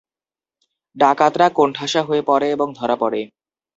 ডাকাতরা কোণঠাসা হয়ে পড়ে এবং ধরা পড়ে।